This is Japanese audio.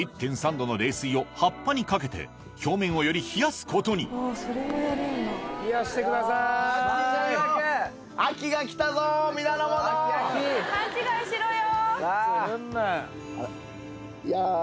℃の冷水を葉っぱにかけて表面をより冷やすことに・冷やしてください・勘違いしろよ。